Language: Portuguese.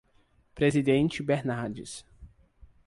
Presidente Bernardes